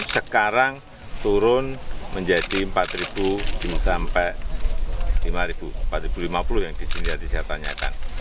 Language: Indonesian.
sekarang turun menjadi empat sampai lima empat lima puluh yang disini saya tanyakan